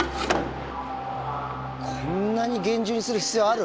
こんなに厳重にする必要ある？